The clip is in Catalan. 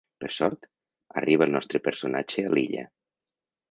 Per sort, arriba el nostre personatge a l'illa.